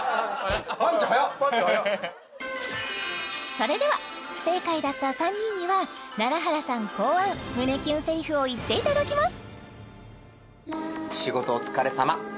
それでは不正解だった３人には楢原さん考案胸キュンセリフを言っていただきます！